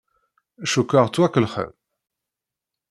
Cukkeɣ ttwakellexen.